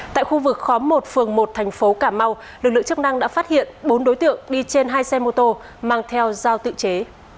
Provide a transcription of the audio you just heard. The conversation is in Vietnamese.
tại khu vực khóm một phường một thành phố cà mau lực lượng chức năng đã phát hiện bốn đối tượng đi trên hai xe mô tô mang theo giao tự chế